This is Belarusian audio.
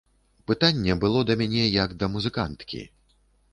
Пытанне было да мяне як да музыканткі.